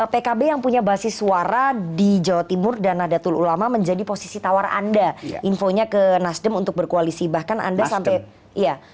pkb yang punya basis suara di jawa timur dan nadatul ulama menjadi posisi tawar anda infonya ke nasdem untuk berkoalisi bahkan anda sampai ya